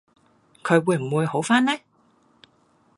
佢會唔會好番呢？